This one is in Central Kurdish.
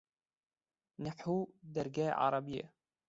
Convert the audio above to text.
نەحوو دەرگای عەرەبییە